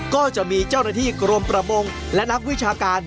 ก็จะมีเจ้าหน้าที่กรมประมงและนักวิชาการ